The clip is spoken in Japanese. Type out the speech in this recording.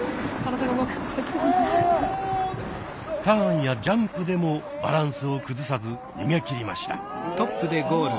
ターンやジャンプでもバランスを崩さず逃げ切りました。